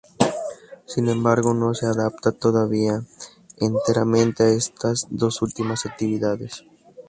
Sin embargo no se adapta todavía enteramente a estas dos últimas actividades.